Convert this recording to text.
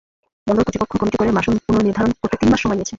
বন্দর কর্তৃপক্ষ কমিটি করে মাশুল পুনর্নির্ধারণ করতে তিন মাস সময় নিয়েছে।